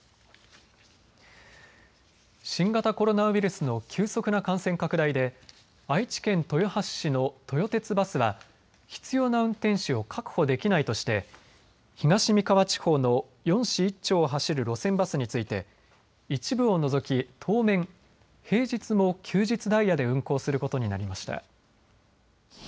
新型コロナウイルスの急速な感染拡大で愛知県豊橋市の豊鉄バスは必要な運転手を確保できないとして東三河地方の４市１町を走る路線バスについて一部を除き当面、平日も休日ダイヤで運行することになりました。